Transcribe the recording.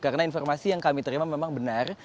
karena informasi yang kami terima memang benar